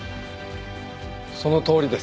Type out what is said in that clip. そのとおりです。